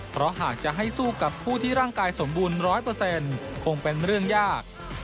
เพราะหากจะให้สู้กับผู้ที่ร่างกายสมบูรณ์๑๐๐คงเป็นเรื่องยาก